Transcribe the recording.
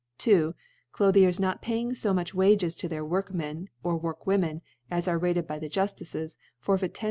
2. * Clothier^ not paying fo much Wage8> * to their Workmen or Workwomen^ afr •• arc rated by the Juflices, forfeit lo s.